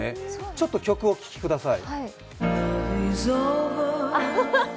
ちょっと曲をお聴きください。